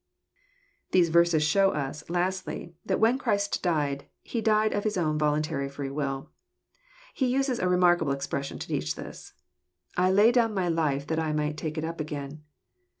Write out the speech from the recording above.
These verses show us, lastly, that when Christ died^ He died of Hie own voluntary free will. He uses a remarkable expression to teach this :^' I lay down my life that I might take it again.